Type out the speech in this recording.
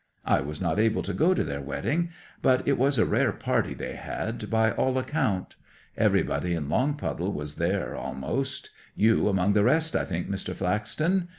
I was not able to go to their wedding, but it was a rare party they had, by all account. Everybody in Longpuddle was there almost; you among the rest, I think, Mr. Flaxton?